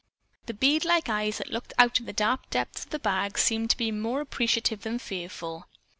The bead like eyes that looked up out of the dark depths of the bag seemed to be more appreciative than fearful.